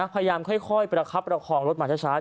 พยายามค่อยประคับประคองรถมาช้า